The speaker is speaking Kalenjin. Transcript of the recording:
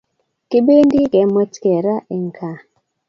Kibendi kemwet kee raaa en Kaa